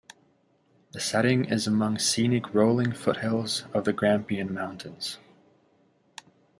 The setting is among scenic rolling foothills of the Grampian Mountains.